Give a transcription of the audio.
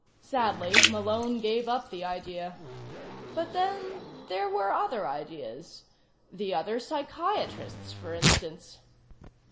Sadly, Malone gave up the idea. But, then, there were other ideas. The other psychiatrists, for instance....